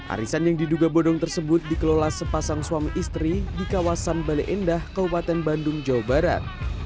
arisan yang diduga bodong tersebut dikelola sepasang suami istri di kawasan bale endah kabupaten bandung jawa barat